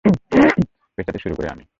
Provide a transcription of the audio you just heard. পেছাতে শুরু করি আমি।